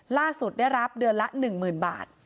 ล่าสุดได้รับเดือนละ๑๐๐๐๐บาท